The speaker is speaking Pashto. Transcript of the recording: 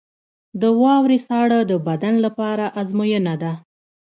• د واورې ساړه د بدن لپاره ازموینه ده.